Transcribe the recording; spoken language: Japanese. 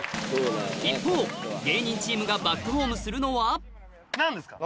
一方芸人チームがバックホームするのは何ですか？